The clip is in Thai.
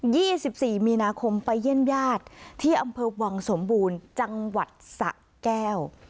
สิบสี่มีนาคมไปเยี่ยมญาติที่อำเภอวังสมบูรณ์จังหวัดสะแก้ว